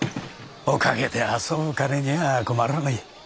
おかげで遊ぶ金には困らねえ。